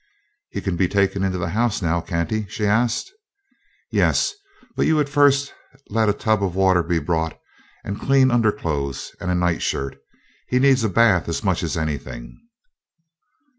"He can be taken into the house now, can't he?" she asked. "Yes, but you had better first let a tub of water be brought, and clean underclothes, and a night shirt. He needs a bath as much as anything."